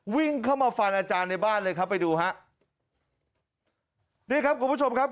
วิ่งเข้ามาฟันอาจารย์ในบ้านเลยครับไปดูฮะนี่ครับคุณผู้ชมครับ